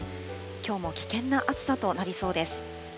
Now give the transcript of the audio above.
きょうも危険な暑さとなりそうです。